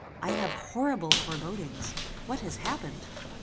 I have horrible forebodings! What has happened?"